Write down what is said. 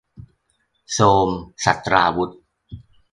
โทรมศัสตราวุธ